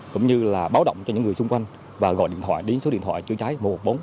cũng như là báo động cho những người xung quanh và gọi điện thoại đến số điện thoại chữa cháy một trăm một mươi bốn